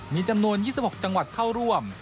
มีจำนวน๒๖จังหวัดเข้าร่วม